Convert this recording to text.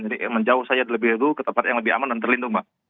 jadi menjauh saja lebih dulu ke tempat yang lebih aman dan terlindung mbak